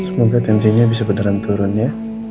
semoga tensinya bisa beneran turun ya